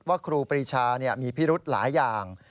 ครูปรีชามีพิรุธหลายอย่าง